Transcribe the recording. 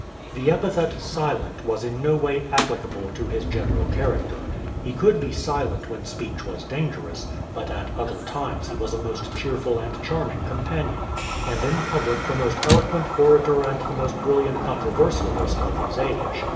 The epithet Silent was in no way applicable to his general character. He could be silent when speech was dangerous, but at other times he was a most cheerful and charming companion, and in public the most eloquent orator and the most brilliant controversialist of his age.